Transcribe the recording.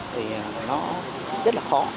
thì nó rất là khó